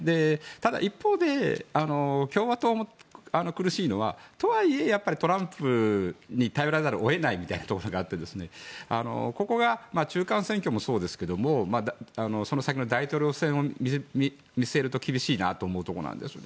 ただ一方で共和党も苦しいのはとはいえ、トランプに頼らざるを得ないところがあってここが中間選挙もそうですがその先の大統領選を見据えると厳しいなと思うところです。